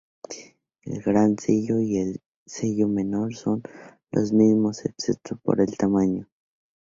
El Gran Sello y el sello menor son los mismos excepto por tamaño.